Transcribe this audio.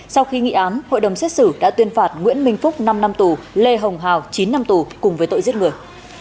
sau khi nghị án hội đồng xét xử đã tuyên phạt nguyễn minh phúc năm năm tù lê hồng hào chín năm tù cùng với tội giết người